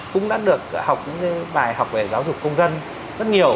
cũng đã được học những bài học về giáo dục công dân rất nhiều